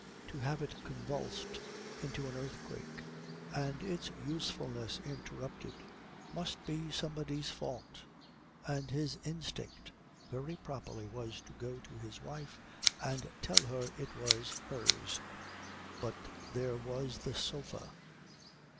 To have it convulsed into an earthquake and its usefulness interrupted must be somebody's fault, and his instinct very properly was to go to his wife and tell her it was hers. But there was the sofa.